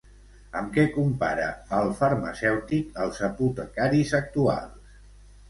Amb què compara el farmacèutic els apotecaris actuals?